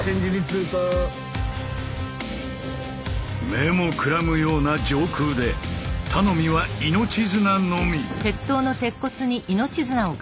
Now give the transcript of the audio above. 目もくらむような上空で頼みは命綱のみ。